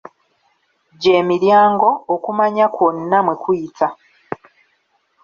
Gye miryango, okumanya kwonna mwe kuyita.